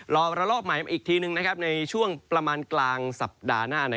รอระลอกใหม่อีกทีหนึ่งในช่วงประมาณกลางสัปดาห์หน้า